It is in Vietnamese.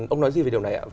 ông nói gì về điều này ạ